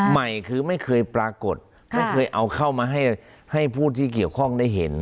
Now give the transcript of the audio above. ใหม่คือไม่เคยปรากฏไม่เคยเอาเข้ามาให้ผู้ที่เกี่ยวข้องได้เห็น